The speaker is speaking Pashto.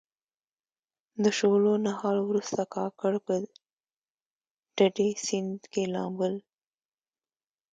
د شولو نهال وروسته کاکړ په ډډي سیند کې لامبل.